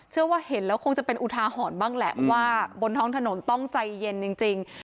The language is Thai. ว่าเห็นแล้วคงจะเป็นอุทาหรณ์บ้างแหละเพราะว่าบนท้องถนนต้องใจเย็นจริง